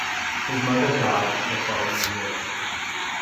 His mother died the following year.